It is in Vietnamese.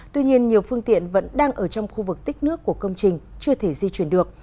tuy nhiên nhiều phương tiện vẫn đang ở trong khu vực tích nước của công trình chưa thể di chuyển được